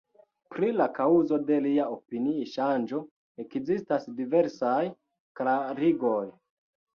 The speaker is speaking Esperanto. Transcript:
Pri la kaŭzo de lia opini-ŝanĝo ekzistas diversaj klarigoj.